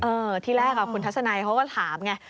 ที่แรกคุณทัศนัยเขาก็ถามไง